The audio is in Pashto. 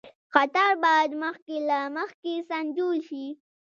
خطر باید مخکې له مخکې سنجول شي.